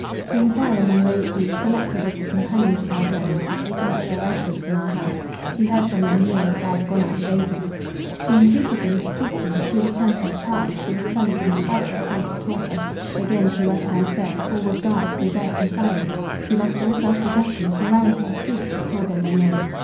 She inquired among those who, selected as the companions of our journey, had taken up their residence in our house; she heard from them merely that I had gone out with Adrian. She entreated them to seek me: she returned to her child, he was plunged in a frightful state of torpor; again she rushed down stairs; all was dark, desert, and silent; she lost all self possession; she ran into the street; she called on my name.